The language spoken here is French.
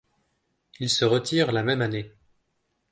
Il se retire la même année.